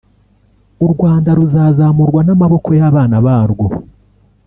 “U Rwanda ruzazamurwa n’amaboko y’abana barwo”